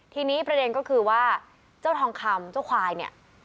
ทีนี้ประเด็นก็คือว่าเจ้าทองคำเจ้าควายเนี่ย